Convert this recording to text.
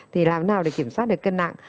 thì làm thế nào để kiểm soát được cân nặng